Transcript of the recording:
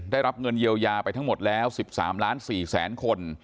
ได้รับเงินเยียวยาไปทั้งหมดแล้ว๑๓ล้าน๔แสนคน